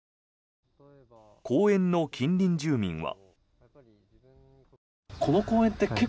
公園の近隣住民は。